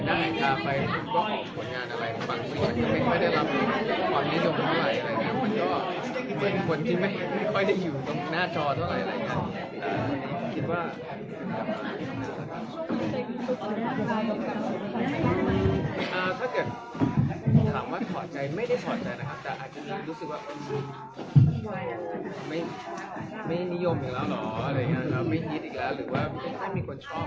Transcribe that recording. ถ้าถามว่าขอบใจไม่ได้ขอบใจแต่อาจารย์รู้สึกว่าไม่นิยมอีกแล้วหรอไม่คิดอีกแล้วหรือว่าไม่มีคนชอบ